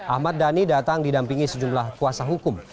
ahmad dhani datang didampingi sejumlah kuasa hukum